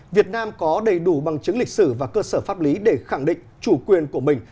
việt nam có đầy đủ bằng chứng lịch sử và cơ sở pháp lý để khẳng định chủ quyền của mình